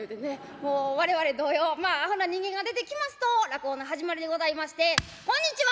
もう我々同様まあアホな人間が出てきますと落語の始まりでございまして「こんにちは」。